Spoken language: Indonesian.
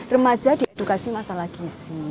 remaja di edukasi masalah gizi